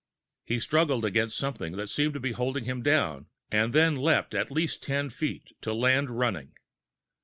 He struggled against something that seemed to be holding him down, and then leaped at least ten feet, to land running.